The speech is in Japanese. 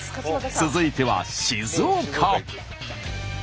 続いては静岡。